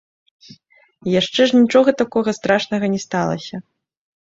Яшчэ ж нічога такога страшнага не сталася.